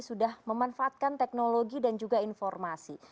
sudah memanfaatkan teknologi dan juga informasi